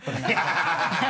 ハハハ